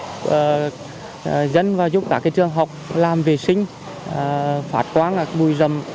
giúp dân và giúp các cái trường học làm vệ sinh phát quán bùi rầm